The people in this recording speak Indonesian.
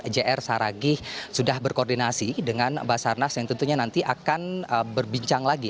jr saragih sudah berkoordinasi dengan basarnas yang tentunya nanti akan berbincang lagi